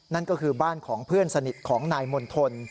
นั่นก็คือบ้านของเพื่อนสนิทของนายมณฑล